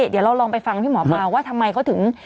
เดี๋ยวเราลองไปฟังพี่หมอปลาว่าทำไมเขาถึง